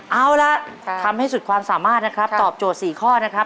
เอาละทำให้สุดความสามารถนะครับตอบโจทย์๔ข้อนะครับ